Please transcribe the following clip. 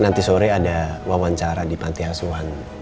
nanti sore ada wawancara di panti asuhan